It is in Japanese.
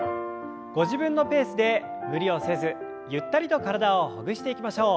ご自分のペースで無理をせずゆったりと体をほぐしていきましょう。